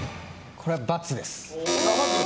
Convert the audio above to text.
これは×です。